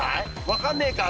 分かんねえか